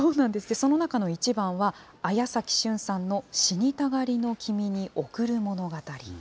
その中の一番は、綾崎隼さんの死にたがりの君に贈る物語。